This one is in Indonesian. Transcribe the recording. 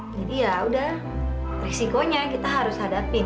jadi ya udah risikonya kita harus hadapin